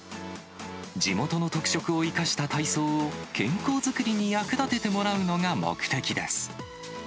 地元の特色を生かした体操を、健康作りに役立ててもらうのが目的です。